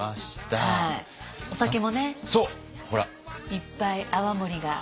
いっぱい泡盛が。